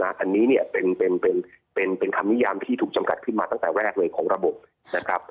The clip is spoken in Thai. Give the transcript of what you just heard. อันนี้เนี่ยเป็นคำนิยามที่ถูกจำกัดขึ้นมาตั้งแต่แรกเลยของระบบนะครับ